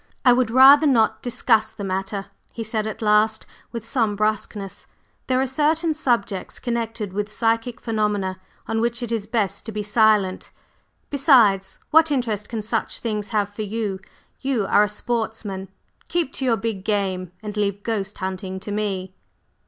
"I would rather not discuss the matter," he said at last, with some brusqueness. "There are certain subjects connected with psychic phenomena on which it is best to be silent; besides, what interest can such things have for you? You are a sportsman, keep to your big game, and leave ghost hunting to me."